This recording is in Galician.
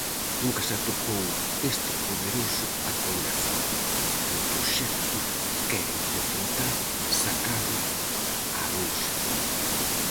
Nunca se atopou este poderoso acoirazado, e o proxecto quere intentar sacalo á luz.